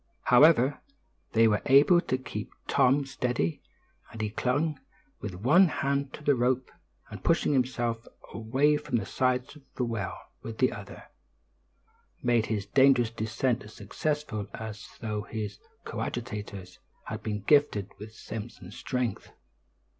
However, they were able to keep Tom steady, and he, clinging with one hand to his rope, and pushing himself away from the sides of the well with the other, made his dangerous descent as successfully as though his coadjutors had been gifted with Samson's strength.